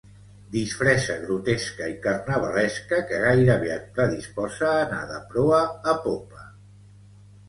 Disfressa grotesca i carnavalesca que gairebé et predisposa a anar de proa a popa.